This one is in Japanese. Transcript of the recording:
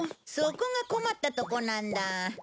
そこが困ったとこなんだ。